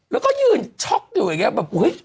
แล้วก็ยืนช็อกอยู่อย่างนี้